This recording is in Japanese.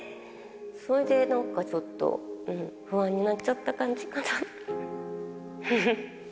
それでなんかちょっと、不安になっちゃった感じかな。